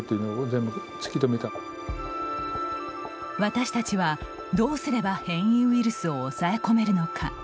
私たちは、どうすれば変異ウイルスを抑え込めるのか。